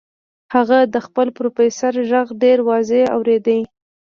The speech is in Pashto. هغه د خپل پروفيسور غږ ډېر واضح واورېد.